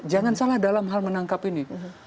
jangan salah dalam hal menangkap ini